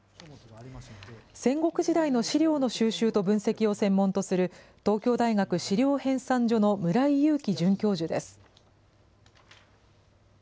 戦国時代の史料の収集と分析を専門とする、東京大学史料編纂所の村井祐樹准教授です。